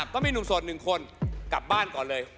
ก็มีหนุ่มโสด๑คนกลับบ้านก่อนเลย